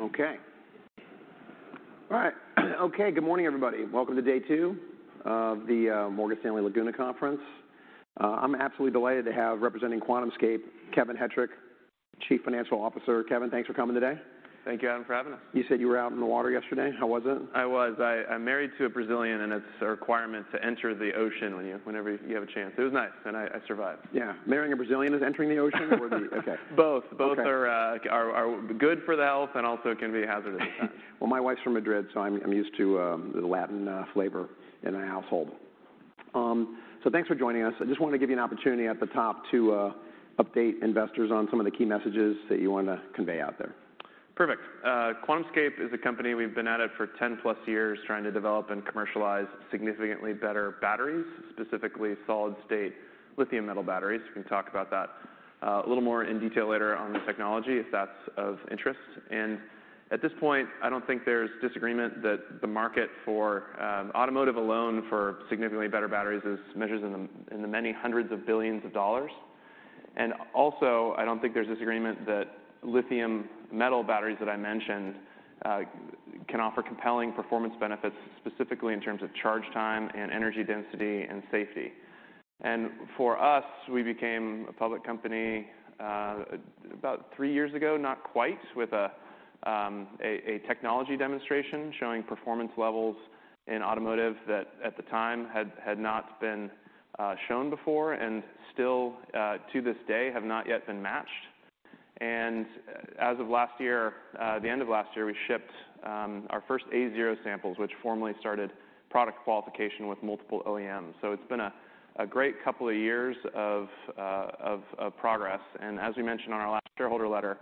Okay. All right. Okay, good morning, everybody. Welcome to day two of the Morgan Stanley Laguna Conference. I'm absolutely delighted to have, representing QuantumScape, Kevin Hettrich, Chief Financial Officer. Kevin, thanks for coming today. Thank you, Adam, for having us. You said you were out in the water yesterday. How was it? I was. I'm married to a Brazilian, and it's a requirement to enter the ocean whenever you have a chance. It was nice, and I survived. Yeah. Marrying a Brazilian is entering the ocean or the- Okay. Both. Okay. Both are good for the health and also can be hazardous at times. Well, my wife's from Madrid, so I'm used to the Latin flavor in our household. So thanks for joining us. I just wanted to give you an opportunity at the top to update investors on some of the key messages that you wanna convey out there. Perfect. QuantumScape is a company, we've been at it for 10 plus years, trying to develop and commercialize significantly better batteries, specifically solid-state lithium metal batteries. We can talk about that, a little more in detail later on the technology, if that's of interest. And at this point, I don't think there's disagreement that the market for, automotive alone, for significantly better batteries, is measured in the, many hundreds of billions of dollars. And also, I don't think there's disagreement that lithium metal batteries that I mentioned, can offer compelling performance benefits, specifically in terms of charge time, and energy density, and safety. And for us, we became a public company, about three years ago, not quite, with a technology demonstration showing performance levels in automotive that at the time had not been shown before, and still, to this day, have not yet been matched. And as of last year, the end of last year, we shipped our first A0 samples, which formally started product qualification with multiple OEMs. So it's been a great couple of years of progress. And as we mentioned on our last shareholder letter,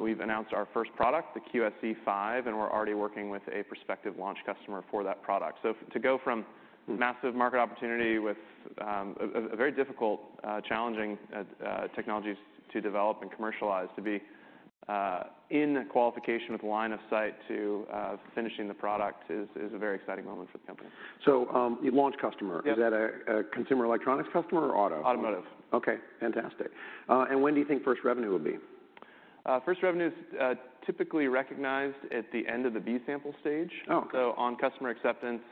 we've announced our first product, the QSE-5, and we're already working with a prospective launch customer for that product. So to go from massive market opportunity with a very difficult, challenging technologies to develop and commercialize, to be in qualification with line of sight to finishing the product is a very exciting moment for the company. Your launch customer- Yep is that a consumer electronics customer or auto? Automotive. Okay, fantastic. And when do you think first revenue will be? First revenue is typically recognized at the end of the B sample stage. Oh, okay. So on customer acceptance,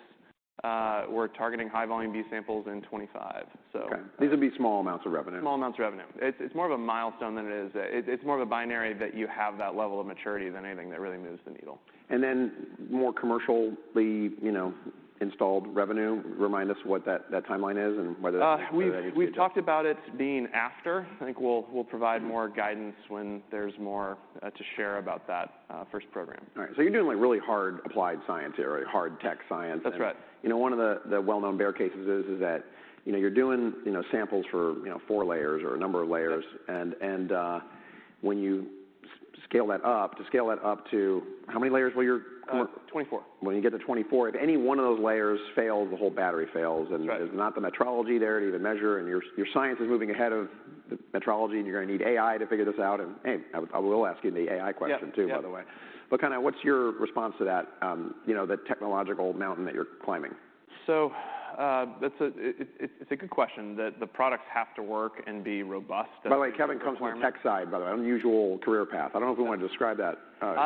we're targeting high-volume B samples in 2025, so. Okay. These would be small amounts of revenue? Small amounts of revenue. It's, it's more of a milestone than it is... it's more of a binary that you have that level of maturity than anything that really moves the needle. More commercially, you know, installed revenue, remind us what that, that timeline is and whether that We've talked about it being after. I think we'll provide more guidance when there's more to share about that first program. All right. So you're doing, like, really hard applied science here, right? Hard tech science. That's right. You know, one of the well-known bear cases is that, you know, you're doing, you know, samples for, you know, four layers or a number of layers. Yep. When you scale that up, to scale that up to... How many layers will you— Uh, 24. When you get to 24, if any one of those layers fails, the whole battery fails. Right. And there's not the metrology there to even measure, and your, your science is moving ahead of the metrology, and you're gonna need AI to figure this out. And, hey, I, I will ask you the AI question, too. Yep, yep by the way. But kind of what's your response to that, you know, the technological mountain that you're climbing? So, that's a... It, it's a good question. The products have to work and be robust and- By the way, Kevin comes from the tech side, by the way, unusual career path. I don't know if you want to describe that,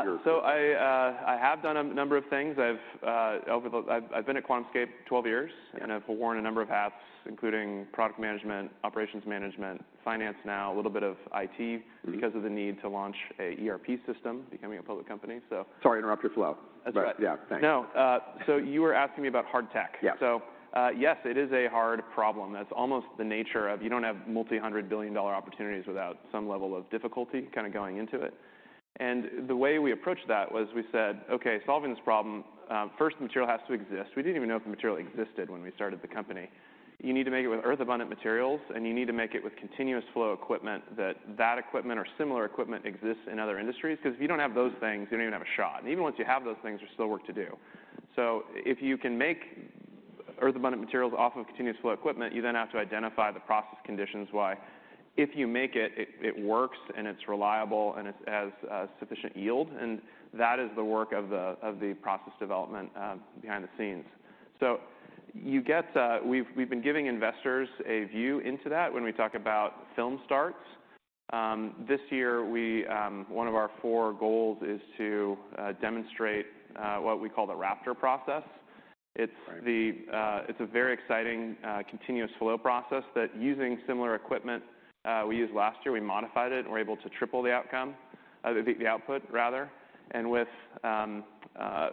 your- I have done a number of things. I've been at QuantumScape 12 years. Okay. I've worn a number of hats, including product management, operations management, finance, now a little bit of IT- Mm-hmm because of the need to launch an ERP system, becoming a public company, so. Sorry to interrupt your flow. That's all right. But yeah. Thanks. No. So you were asking me about hard tech? Yeah. So, yes, it is a hard problem. That's almost the nature of... You don't have multi-hundred billion dollar opportunities without some level of difficulty kind of going into it. And the way we approached that was we said: Okay, solving this problem, first, the material has to exist. We didn't even know if the material existed when we started the company. You need to make it with earth-abundant materials, and you need to make it with continuous flow equipment, that that equipment or similar equipment exists in other industries. 'Cause if you don't have those things, you don't even have a shot. And even once you have those things, there's still work to do. So if you can make earth-abundant materials off of continuous flow equipment, you then have to identify the process conditions why if you make it, it works, and it's reliable, and it has sufficient yield. And that is the work of the process development behind the scenes. So you get... We've been giving investors a view into that when we talk about film starts. This year, we... One of our four goals is to demonstrate what we call the Raptor process. Right. It's the... It's a very exciting, continuous flow process that using similar equipment, we used last year, we modified it, and we're able to triple the outcome, the, the output rather. And with,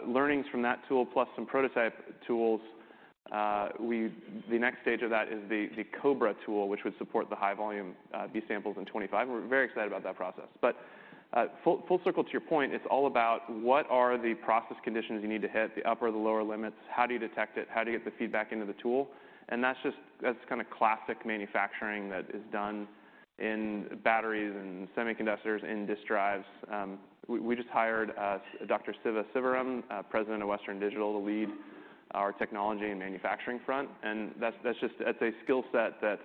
learnings from that tool plus some prototype tools, we- the next stage of that is the, the Cobra tool, which would support the high volume, B samples in 2025, and we're very excited about that process. But, full, full circle to your point, it's all about what are the process conditions you need to hit, the upper, the lower limits? How do you detect it? How do you get the feedback into the tool? And that's just, that's kind of classic manufacturing that is done in batteries and semiconductors, in disk drives. We, we just hired, Dr. Siva Sivaram, president of Western Digital, to lead our technology and manufacturing front. And that's, that's just- That's a skill set that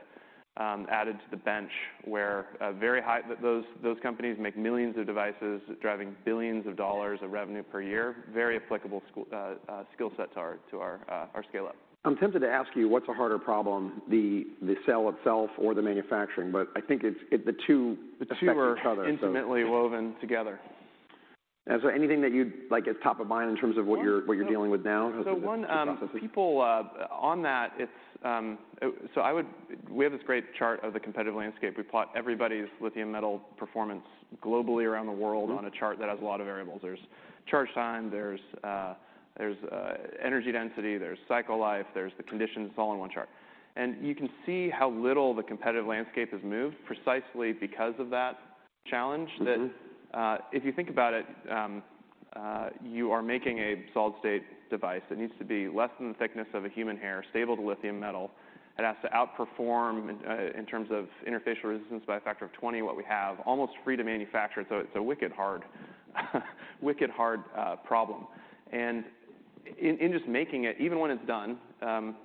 added to the bench, where a very high- those, those companies make millions of devices, driving billions of dollars of revenue per year. Very applicable skill set to our, to our, our scale-up. I'm tempted to ask you, what's a harder problem, the cell itself or the manufacturing? But I think it's the two affect each other, so. The two are intimately woven together.... And so anything that you'd, like, it's top of mind in terms of what you're, what you're dealing with now? So, one, people on that, it's. We have this great chart of the competitive landscape. We plot everybody's lithium metal performance globally around the world. Mm-hmm on a chart that has a lot of variables. There's charge time, there's energy density, there's cycle life, there's the conditions, it's all in one chart. And you can see how little the competitive landscape has moved, precisely because of that challenge. Mm-hmm that, if you think about it, you are making a solid-state device that needs to be less than the thickness of a human hair, stable to lithium metal. It has to outperform in terms of interfacial resistance by a factor of 20 what we have, almost free to manufacture. So it's a wicked hard, wicked hard problem. And in just making it, even when it's done,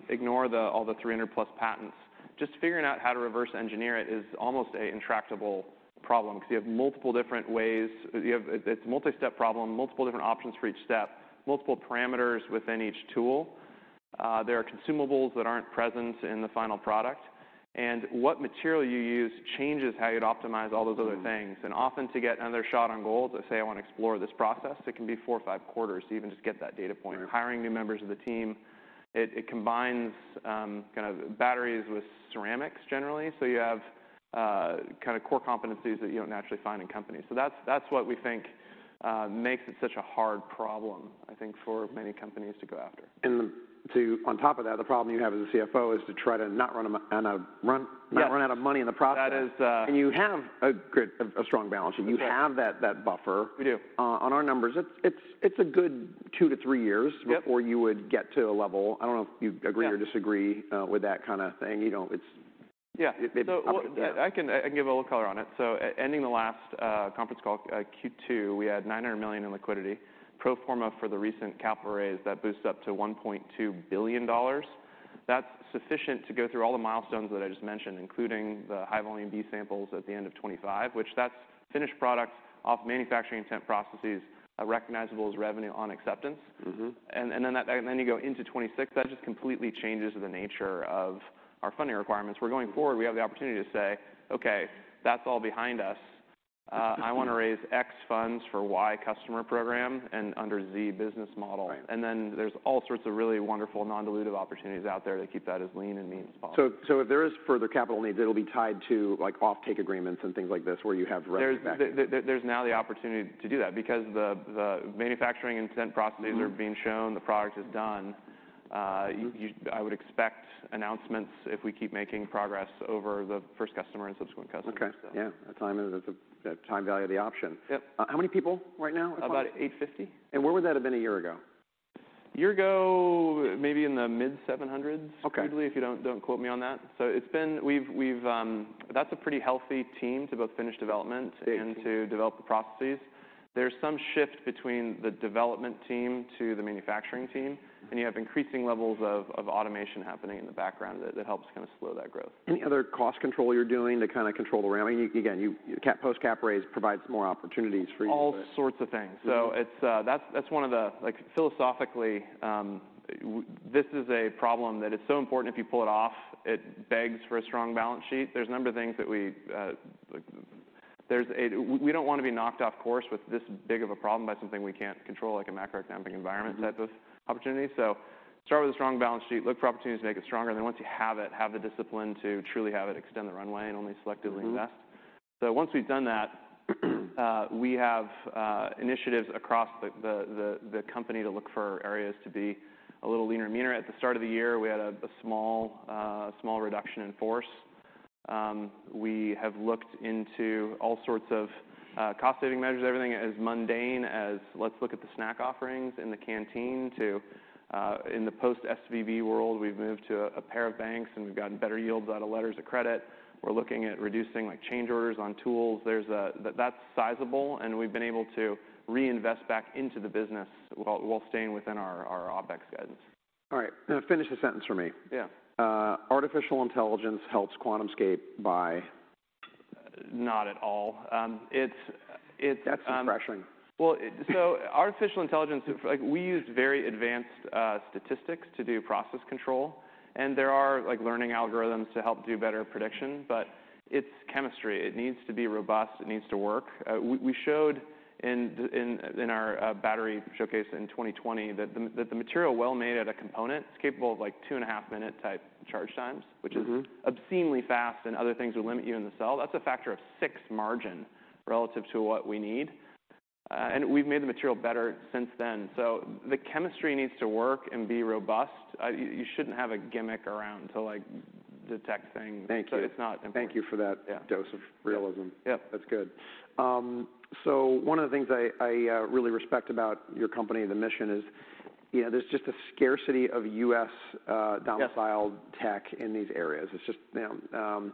ignore all the 300+ patents, just figuring out how to reverse engineer it is almost an intractable problem, 'cause you have multiple different ways... You have a, it's a multi-step problem, multiple different options for each step, multiple parameters within each tool. There are consumables that aren't present in the final product, and what material you use changes how you'd optimize all those other things. Mm. Often to get another shot on goal, to say, "I wanna explore this process," it can be four or five quarters to even just get that data point. Sure. Hiring new members of the team, it combines kind of batteries with ceramics generally. So you have kind of core competencies that you don't naturally find in companies. So that's what we think makes it such a hard problem, I think, for many companies to go after. On top of that, the problem you have as a CFO is to try to not run them on a run- Yes not run out of money in the process. That is. And you have a good, strong balance sheet. Yes. You have that, that buffer. We do. On our numbers, it's a good two to three years- Yep before you would get to a level... I don't know if you agree. Yeah or disagree with that kind of thing. You know, it's- Yeah. It, well, yeah. I can, I can give a little color on it. So, ending the last conference call, Q2, we had $900 million in liquidity. Pro forma for the recent capital raise, that boosts up to $1.2 billion. That's sufficient to go through all the milestones that I just mentioned, including the high-volume B samples at the end of 2025, which that's finished products off manufacturing-intent processes, recognizable as revenue on acceptance. Mm-hmm. you go into 26, that just completely changes the nature of our funding requirements. We're going forward, we have the opportunity to say, "Okay, that's all behind us. I wanna raise X funds for Y customer program, and under Z business model. Right. And then there's all sorts of really wonderful non-dilutive opportunities out there to keep that as lean and mean as possible. So, if there is further capital needs, it'll be tied to, like, offtake agreements and things like this, where you have revenue back. There's now the opportunity to do that, because the manufacturing intent processes- Mm-hmm are being shown, the product is done. Mm-hmm you, I would expect announcements if we keep making progress over the first customer and subsequent customers. Okay. Yeah, the time value of the option. Yep. How many people right now approximately? About 850. Where would that have been a year ago? A year ago, maybe in the mid-700s- Okay Roughly. If you don't, don't quote me on that. So it's been... We've, that's a pretty healthy team to both finish development- Eighteen to develop the processes. There's some shift between the development team to the manufacturing team, and you have increasing levels of automation happening in the background that helps kind of slow that growth. Any other cost control you're doing to kind of control the ramping? Again, you post cap raise provides more opportunities for you, but- All sorts of things. Mm. So it's, that's one of the... Like, philosophically, this is a problem that it's so important, if you pull it off, it begs for a strong balance sheet. There's a number of things that we like. We don't wanna be knocked off course with this big of a problem by something we can't control, like a macroeconomic environment- Mm-hmm Type of opportunity. So start with a strong balance sheet, look for opportunities to make it stronger, then once you have it, have the discipline to truly have it extend the runway and only selectively invest. Mm-hmm. So once we've done that, we have initiatives across the company to look for areas to be a little leaner and meaner. At the start of the year, we had a small reduction in force. We have looked into all sorts of cost saving measures, everything as mundane as "Let's look at the snack offerings in the canteen," to, in the post SVB world, we've moved to a pair of banks, and we've gotten better yields out of letters of credit. We're looking at reducing, like, change orders on tools. That's sizable, and we've been able to reinvest back into the business while staying within our OpEx guidance. All right, now finish the sentence for me. Yeah. Artificial intelligence helps QuantumScape by? Not at all. That's refreshing. Well, so artificial intelligence, like, we use very advanced statistics to do process control, and there are, like, learning algorithms to help do better prediction, but it's chemistry. It needs to be robust. It needs to work. We showed in our battery showcase in 2020, that the material well-made at a component, it's capable of, like, 2.5-minute type charge times- Mm-hmm which is obscenely fast, and other things will limit you in the cell. That's a factor of six margin relative to what we need, and we've made the material better since then. So the chemistry needs to work and be robust. You, you shouldn't have a gimmick around to, like, detect things- Thank you. It's not important. Thank you for that- Yeah dose of realism. Yep. That's good. So one of the things I really respect about your company and the mission is, you know, there's just a scarcity of U.S., Yes domiciled tech in these areas. It's just, you know,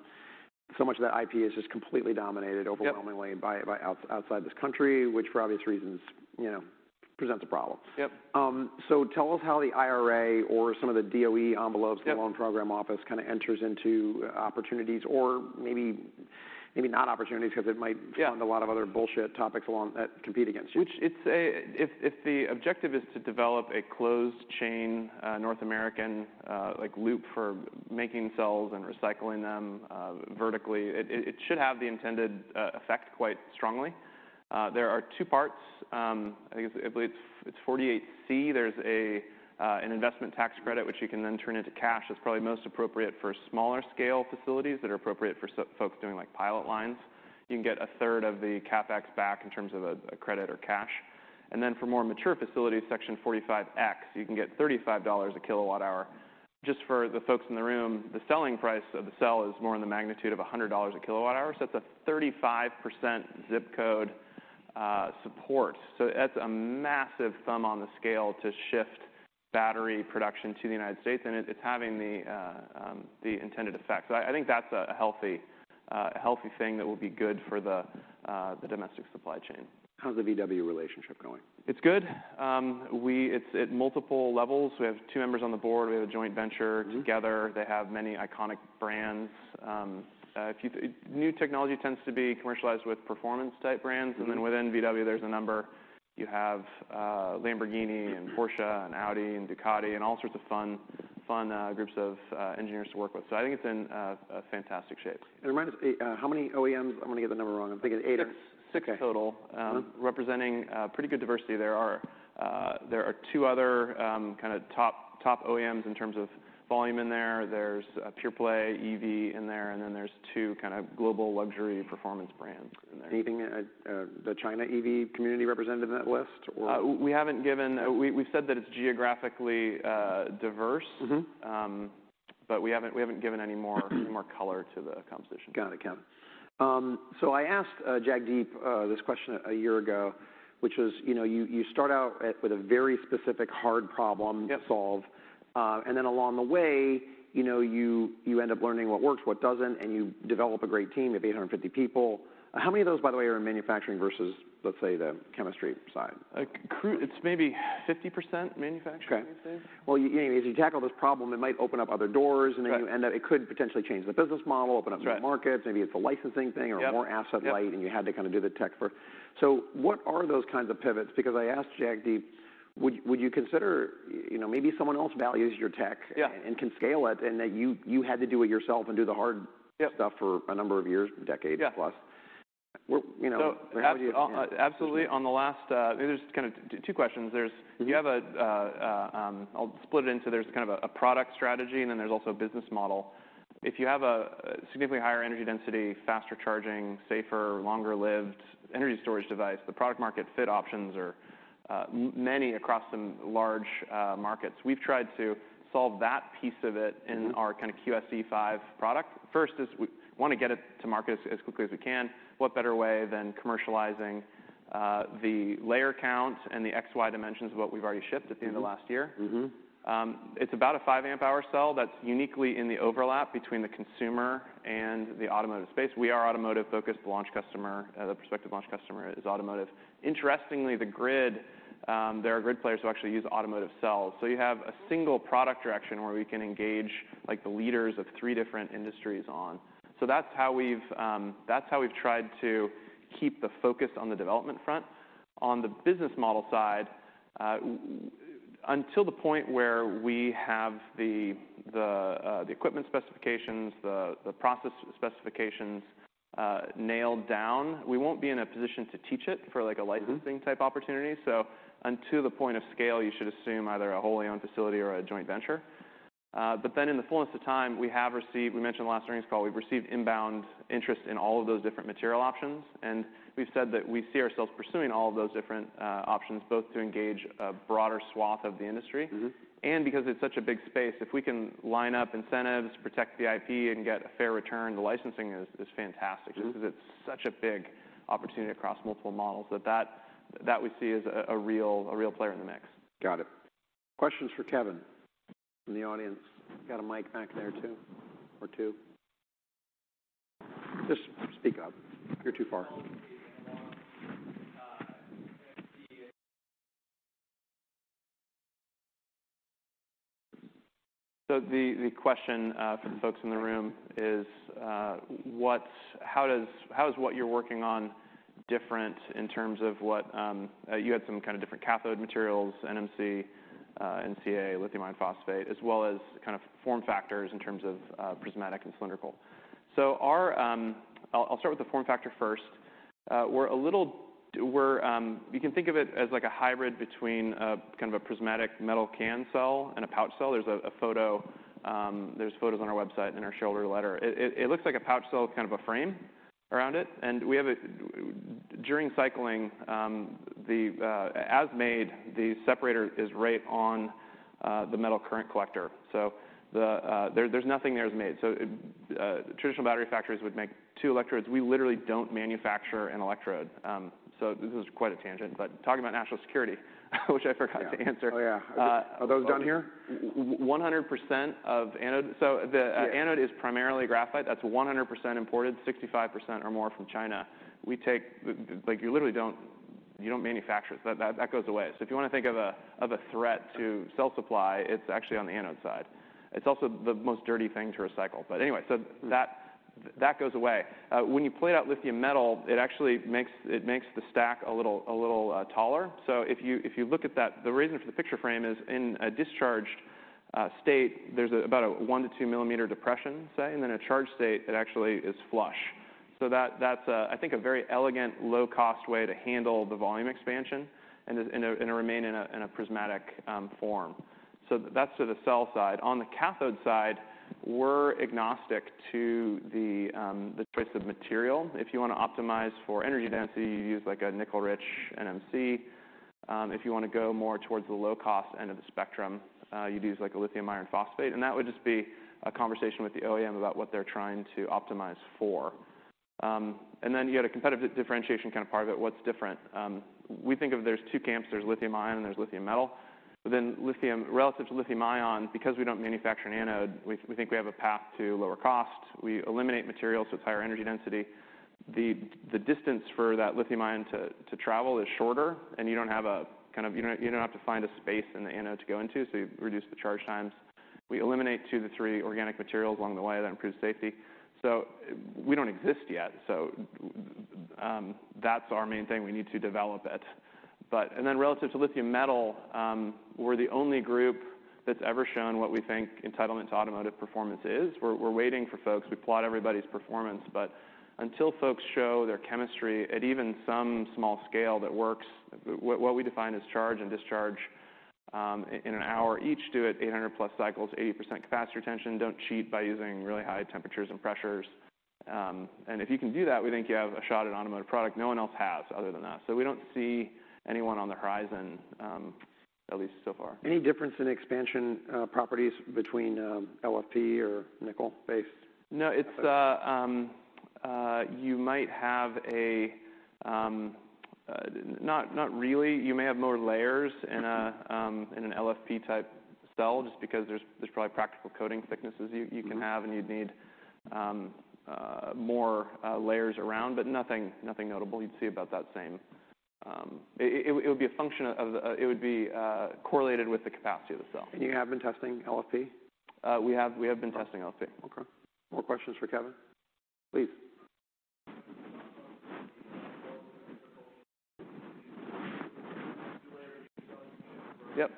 so much of that IP is just completely dominated- Yep overwhelmingly by outside this country, which for obvious reasons, you know, presents a problem. Yep. So, tell us how the IRA or some of the DOE envelopes- Yep Loan Program Office kind of enters into opportunities or maybe, maybe not opportunities, 'cause it might- Yeah fund a lot of other bullshit topics along, that compete against you. Which it's a. If the objective is to develop a closed chain, North American, like, loop for making cells and recycling them, vertically, it should have the intended effect quite strongly. There are two parts. I think, I believe it's 48C. There's an investment tax credit, which you can then turn into cash. That's probably most appropriate for smaller scale facilities that are appropriate for so folks doing, like, pilot lines. You can get a third of the CapEx back in terms of a credit or cash. And then for more mature facilities, Section 45X, you can get $35 a kWh. Just for the folks in the room, the selling price of the cell is more in the magnitude of $100/kWh, so that's a 35% zip code support. So that's a massive thumb on the scale to shift battery production to the United States, and it, it's having the intended effect. So I think that's a healthy thing that will be good for the domestic supply chain. How's the VW relationship going? It's good. It's at multiple levels. We have two members on the board. We have a joint venture. Mm-hmm. -together. They have many iconic brands. If you... New technology tends to be commercialized with performance-type brands- Mm-hmm. And then within VW, there's a number. You have Lamborghini and Porsche and Audi and Ducati, and all sorts of fun, fun groups of engineers to work with. So I think it's in a fantastic shape. Remind us, how many OEMs? I'm gonna get the number wrong. I'm thinking it's eight. Six. Okay. Six total. Mm-hmm. Representing pretty good diversity. There are two other kind of top, top OEMs in terms of volume in there. There's a pure-play EV in there, and then there's two kind of global luxury performance brands in there. Anything, the China EV community represented in that list, or? We haven't given... We, we've said that it's geographically diverse. Mm-hmm. But we haven't given any more color to the composition. Got it, Kevin. So I asked Jagdeep this question a year ago, which was, you know, you start out with a very specific hard problem- Yep... to solve, and then along the way, you know, you, you end up learning what works, what doesn't, and you develop a great team of 850 people. How many of those, by the way, are in manufacturing versus, let's say, the chemistry side? Like, it's maybe 50% manufacturing, I'd say. Okay. Well, you, you know, as you tackle this problem, it might open up other doors- Right. and that it could potentially change the business model, open up That's right... new markets. Maybe it's a licensing thing- Yep or more asset light Yep And you had to kind of do the tech for... So what are those kinds of pivots? Because I asked Jagdeep, "Would, would you consider, you know, maybe someone else values your tech- Yeah and can scale it, and that you had to do it yourself and do the hard- Yep for a number of years, decades plus? Yeah. We're, you know, how do you- So, absolutely. On the last, there's kind of two questions. There's- Mm-hmm. I'll split it into there's kind of a product strategy, and then there's also a business model. If you have a significantly higher energy density, faster charging, safer, longer-lived energy storage device, the product market fit options are many across some large markets. We've tried to solve that piece of it- Mm-hmm —in our kind of QSE-5 product. First is we want to get it to market as quickly as we can. What better way than commercializing the layer count and the XY dimensions of what we've already shipped— Mm-hmm at the end of last year? Mm-hmm. It's about a 5 amp hour cell that's uniquely in the overlap between the consumer and the automotive space. We are automotive focused. The launch customer, the prospective launch customer is automotive. Interestingly, the grid, there are grid players who actually use automotive cells. So you have a single product direction where we can engage, like, the leaders of three different industries on. So that's how we've, that's how we've tried to keep the focus on the development front. On the business model side, until the point where we have the, the equipment specifications, the process specifications, nailed down, we won't be in a position to teach it for, like, a licensing- Mm-hmm upside opportunity. So until the point of scale, you should assume either a wholly owned facility or a joint venture. But then in the fullness of time, we have received... We mentioned last earnings call, we've received inbound interest in all of those different material options, and we've said that we see ourselves pursuing all of those different options, both to engage a broader swath of the industry. Mm-hmm And because it's such a big space, if we can line up incentives, protect the IP, and get a fair return, the licensing is fantastic. Mm-hmm. Because it's such a big opportunity across multiple models that we see as a real player in the mix. Got it. Questions for Kevin from the audience? Got a mic back there, too, or two. Just speak up. You're too far. ... So the question for the folks in the room is, what's how does, how is what you're working on different in terms of what you had some kind of different cathode materials, NMC, NCA, lithium iron phosphate, as well as kind of form factors in terms of prismatic and cylindrical? So our... I'll start with the form factor first. We're a little—we're you can think of it as like a hybrid between kind of a prismatic metal can cell and a pouch cell. There's photos on our website and in our shareholder letter. It looks like a pouch cell with kind of a frame around it, and we have a. During cycling, as made, the separator is right on the metal current collector. So, there's nothing there as made. So, traditional battery factories would make two electrodes. We literally don't manufacture an electrode. So this is quite a tangent, but talking about national security, which I forgot to answer. Oh, yeah. Uh- Are those done here? 100% of anode... So the- Yeah... anode is primarily graphite. That's 100% imported, 65% or more from China. We take... Like, you literally don't, you don't manufacture it. That, that goes away. So if you want to think of a, of a threat to cell supply, it's actually on the anode side. It's also the most dirty thing to recycle. But anyway, so that, that goes away. When you plate out lithium metal, it actually makes, it makes the stack a little, a little taller. So if you, if you look at that, the reason for the picture frame is, in a discharged state, there's a, about a 1-2 mm depression, say, and then a charge state, it actually is flush. So that's, I think, a very elegant, low-cost way to handle the volume expansion, and remains in a prismatic form. So that's to the cell side. On the cathode side, we're agnostic to the choice of material. If you want to optimize for energy density, you use like a nickel-rich NMC. If you want to go more towards the low-cost end of the spectrum, you'd use like a lithium iron phosphate, and that would just be a conversation with the OEM about what they're trying to optimize for. And then you got a competitive differentiation kind of part of it, what's different? We think of there's two camps: there's lithium ion, and there's lithium metal. But then lithium... Relative to lithium-ion, because we don't manufacture an anode, we think we have a path to lower cost. We eliminate materials with higher energy density. The distance for that lithium-ion to travel is shorter, and you don't have a kind of, you don't have to find a space in the anode to go into, so you reduce the charge times. We eliminate two to three organic materials along the way, that improves safety. So we don't exist yet, so that's our main thing, we need to develop it. And then relative to lithium metal, we're the only group that's ever shown what we think entitlement to automotive performance is. We're waiting for folks. We plot everybody's performance, but until folks show their chemistry at even some small scale that works, what we define as charge and discharge in an hour each, do it 800+ cycles, 80% capacity retention, don't cheat by using really high temperatures and pressures. And if you can do that, we think you have a shot at automotive product. No one else has other than us. So we don't see anyone on the horizon, at least so far. Any difference in expansion, properties between LFP or nickel-based? No, it's you might have a... Not really. You may have more layers in a in an LFP-type cell, just because there's probably practical coating thicknesses you can have- Mm-hmm. And you'd need more layers around, but nothing notable. You'd see about that same. It would be a function of the—it would be correlated with the capacity of the cell. You have been testing LFP? We have been testing LFP. Okay. More questions for Kevin? Please. Yep. That was yep.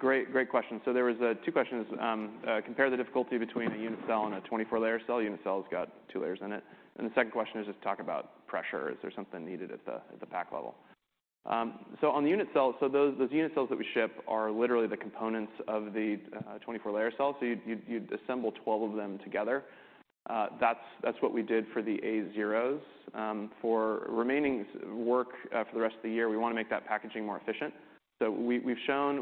Great, great question. So there was two questions. Compare the difficulty between a unit cell and a 24-layer cell. Unit cell's got two layers in it. And the second question is just talk about pressure. Is there something needed at the pack level? So on the unit cell, those unit cells that we ship are literally the components of the 24-layer cell. So you'd assemble 12 of them together. That's what we did for the A0s. For remaining work for the rest of the year, we want to make that packaging more efficient. So we've shown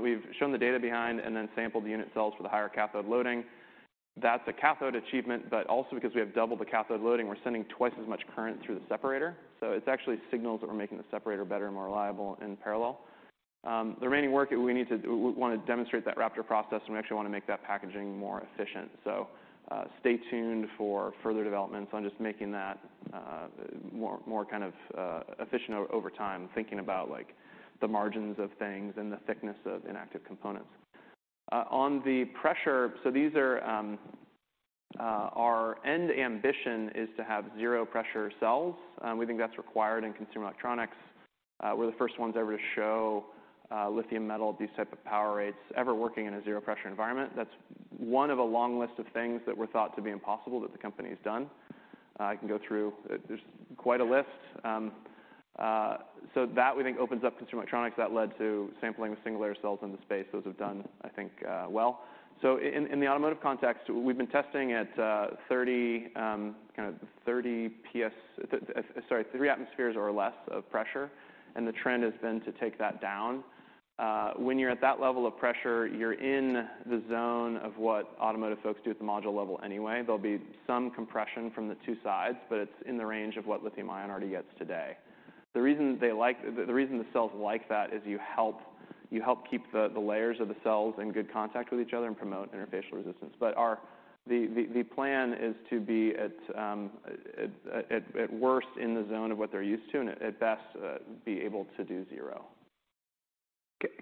the data behind and then sampled the unit cells for the higher cathode loading. That's a cathode achievement, but also because we have doubled the cathode loading, we're sending twice as much current through the separator. So it's actually signals that we're making the separator better and more reliable in parallel. The remaining work that we need to, we wanna demonstrate that Raptor process, and we actually want to make that packaging more efficient. So, stay tuned for further developments on just making that more efficient over time, thinking about, like, the margins of things and the thickness of inactive components. On the pressure, so these are our end ambition is to have zero pressure cells. We think that's required in consumer electronics. We're the first ones ever to show lithium metal, these type of power rates, ever working in a zero pressure environment. That's one of a long list of things that were thought to be impossible that the company has done. I can go through... There's quite a list. So that we think opens up consumer electronics. That led to sampling the single layer cells in the space. Those have done, I think, well. So in the automotive context, we've been testing at 30, kind of 30 psi... Sorry, three atmospheres or less of pressure, and the trend has been to take that down. When you're at that level of pressure, you're in the zone of what automotive folks do at the module level anyway. There'll be some compression from the two sides, but it's in the range of what lithium ion already gets today. The reason the cells like that is you help keep the layers of the cells in good contact with each other and promote interfacial resistance. But our plan is to be at worst in the zone of what they're used to, and at best be able to do zero.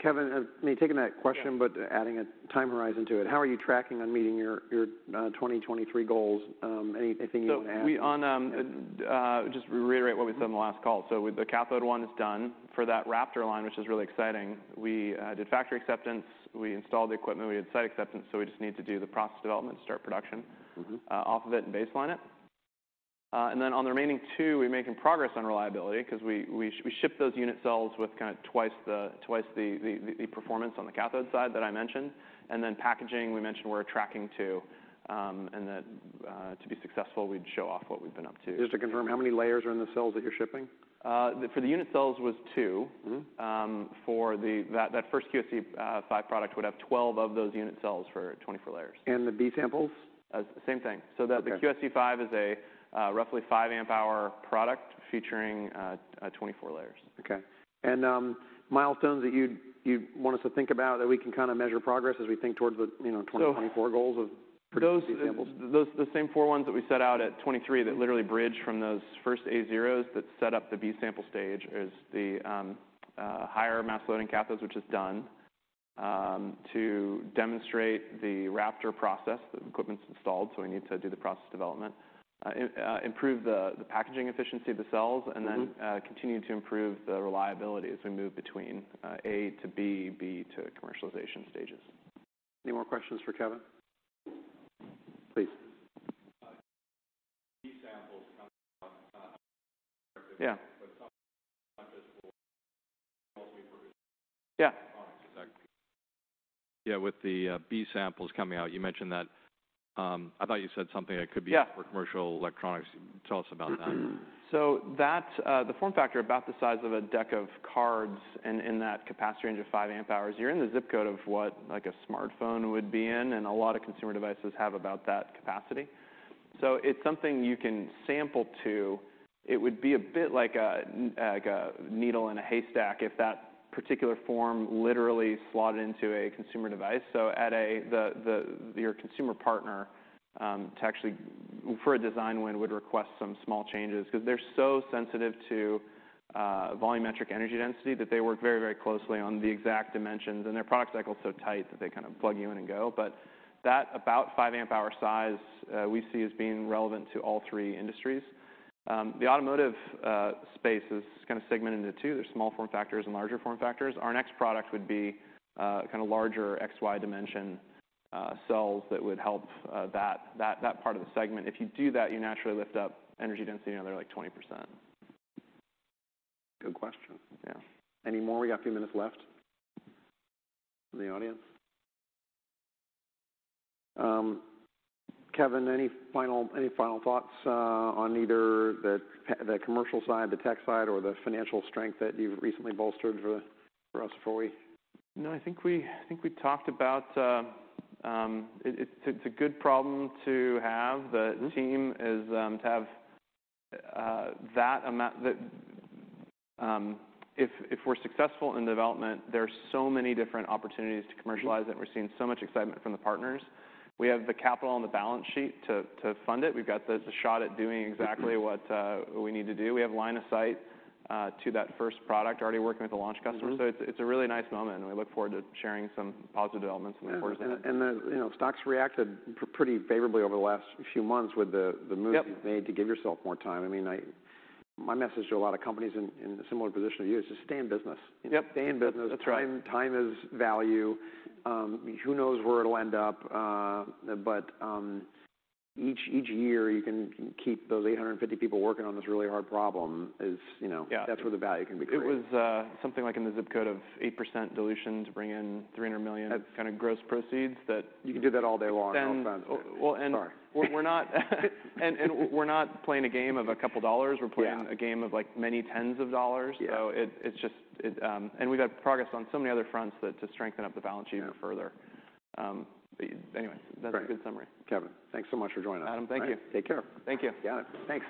Kevin, me taking that question- Yeah... but adding a time horizon to it, how are you tracking on meeting your, your, 2023 goals? Anything you want to add? So, just to reiterate what we said on the last call. So the cathode one is done. For that Raptor line, which is really exciting, we did factory acceptance, we installed the equipment, we did site acceptance, so we just need to do the process development and start production- Mm-hmm... off of it and baseline it. And then on the remaining two, we're making progress on reliability because we ship those unit cells with kind of twice the performance on the cathode side that I mentioned. And then packaging, we mentioned we're tracking to to be successful, we'd show off what we've been up to. Just to confirm, how many layers are in the cells that you're shipping? For the unit cells was two. Mm-hmm. For that first QSE-5 product would have 12 of those unit cells for 24 layers. The B samples? Same thing. Okay. So the QSE-5 is a roughly 5 Ah product featuring 24 layers. Okay. And, milestones that you'd want us to think about, that we can kind of measure progress as we think towards the, you know, 2024 goals of producing these samples? Those, the same four ones that we set out at 23, that literally bridge from those first A0s, that set up the B sample stage, is the higher mass loading cathodes, which is done to demonstrate the Raptor process. The equipment's installed, so we need to do the process development. Improve the packaging efficiency of the cells- Mm-hmm. and then continue to improve the reliability as we move between A to B, B to commercialization stages. Any more questions for Kevin? Please. B samples coming up. Yeah. But some, not just for Yeah. Electronics sector. Yeah, with the, B samples coming out, you mentioned that... I thought you said something that could be- Yeah for commercial electronics. Tell us about that. So that's the form factor about the size of a deck of cards and in that capacity range of 5 amp hours, you're in the zip code of what, like, a smartphone would be in, and a lot of consumer devices have about that capacity. So it's something you can sample to. It would be a bit like a needle in a haystack if that particular form literally slot into a consumer device. Your consumer partner to actually, for a design win, would request some small changes 'cause they're so sensitive to volumetric energy density that they work very, very closely on the exact dimensions, and their product cycle is so tight that they kind of plug you in and go. But that about 5 amp hour size, we see as being relevant to all three industries. The automotive space is kind of segmented into two. There's small form factors and larger form factors. Our next product would be kind of larger XY dimension cells that would help that part of the segment. If you do that, you naturally lift up energy density, another like 20%. Good question. Yeah. Any more? We got a few minutes left in the audience. Kevin, any final thoughts on either the commercial side, the tech side, or the financial strength that you've recently bolstered for us before we- No, I think we talked about it. It's a good problem to have. Mm-hmm. The team is to have that amount, if we're successful in development, there are so many different opportunities to commercialize- Mm-hmm... and we're seeing so much excitement from the partners. We have the capital and the balance sheet to fund it. We've got the shot at doing exactly- Mm-hmm... what we need to do. We have line of sight to that first product already working with the launch customer. Mm-hmm. It's a really nice moment, and we look forward to sharing some positive developments in the quarter. You know, stocks reacted pretty favorably over the last few months with the move- Yep... you've made to give yourself more time. I mean, my message to a lot of companies in a similar position to you is just stay in business. Yep. Stay in business. That's right. Time, time is value. Who knows where it'll end up, but each year, you can keep those 850 people working on this really hard problem, you know- Yeah... that's where the value can be created. It was something like in the zip code of 8% dilution to bring in $300 million- That- kind of gross proceeds, that You can do that all day long. Then- All funds. Sorry. Well, we're not playing a game of a couple dollars. Yeah. We're playing a game of, like, many tens of dollars. Yeah. So it's just... And we've got progress on so many other fronts that to strengthen up the balance sheet even further. Yeah. But anyways- Great... that's a good summary. Kevin, thanks so much for joining us. Adam, thank you. Take care. Thank you. Got it. Thanks.